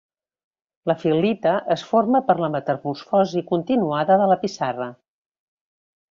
La fil·lita es forma per la metamorfosi continuada de la pissarra.